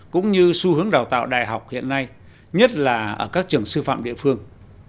cũng như xu hướng đào tạo đại học hiện nay nhất là ở các trường sư phạm địa phương